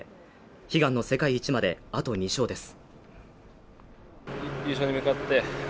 悲願の世界一まであと２勝です。